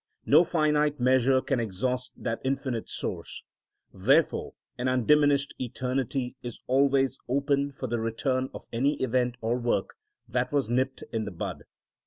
No finite measure can exhaust that infinite source; therefore an undiminished eternity is always open for the return of any event or work that was nipped in the bud.